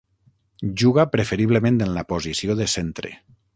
Juga preferiblement en la posició de centre.